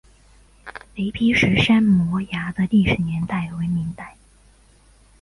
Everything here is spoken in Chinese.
雷劈石山摩崖的历史年代为明代。